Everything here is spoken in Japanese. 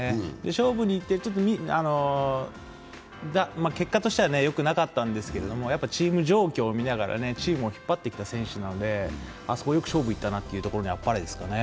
勝負にいって、結果としてはよくなかったんですけれどもチーム状況を見ながらチームを引っ張ってきた選手なので、そこ、よく勝負いったなというところに、あっぱれですね。